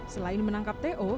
selain menangkap teo